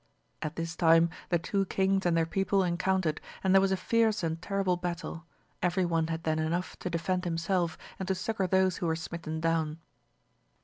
At this time the two kings and their people en countered, and there was a fierce and terrible battle : every one had then enough to defend himself, and to succour those who were smitten down.